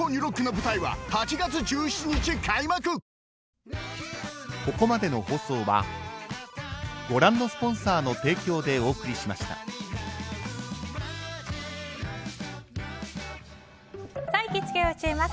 「ビオレ」行きつけ教えます！